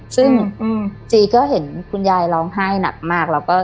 ซึ่งจีก็เห็นคุณยายร้องไห้หนักมากแล้วก็